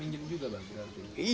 ya aku mau makan